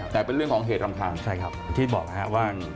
แต่เป็นเรื่องของเหตุรำคาญที่บอกนะครับว่า